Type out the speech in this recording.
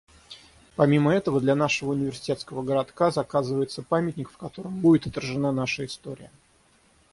Помимо этого, для нашего университетского городка заказывается памятник, в котором будет отражена наша история.